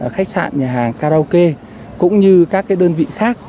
khách sạn nhà hàng karaoke cũng như các đơn vị khác